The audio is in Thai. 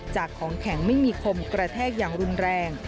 ของแข็งไม่มีคมกระแทกอย่างรุนแรง